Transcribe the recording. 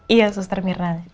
iya suster mirna